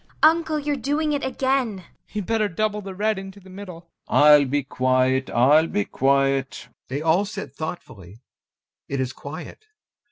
ANYA. Uncle, you're doing it again! TROFIMOV. You'd better double the red into the middle. GAEV. I'll be quiet, I'll be quiet. [They all sit thoughtfully. It is quiet.